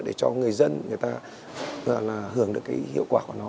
để cho người dân người ta hưởng được cái hiệu quả của nó